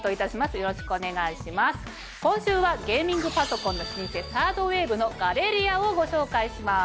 今週はゲーミングパソコンの老舗サードウェーブの。をご紹介します。